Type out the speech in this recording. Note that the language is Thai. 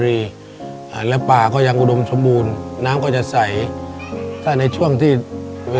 ในแคมเปญพิเศษเกมต่อชีวิตโรงเรียนของหนู